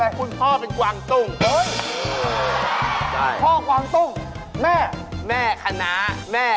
แล้วพูดให้ชัดข้าวฟ้าน้ำคำอยู่